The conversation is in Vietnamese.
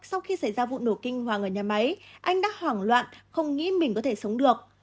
sau khi xảy ra vụ nổ kinh hoàng ở nhà máy anh đã hoảng loạn không nghĩ mình có thể sống được